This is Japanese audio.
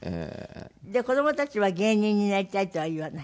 で子供たちは芸人になりたいとは言わない？